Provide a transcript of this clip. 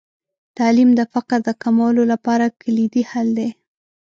تعلیم د فقر د کمولو لپاره کلیدي حل دی.